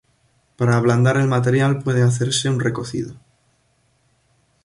Para ablandar el material puede hacerse un recocido.